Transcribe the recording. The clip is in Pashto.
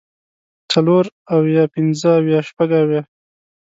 څلور اويه پنځۀ اويه شپږ اويه